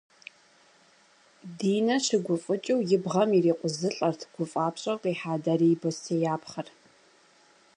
Динэ щыгуфӏыкӏыу и бгъэм ирикъузылӏэрт гуфӏапщӏэу къихьа дарий бостеяпхъэр.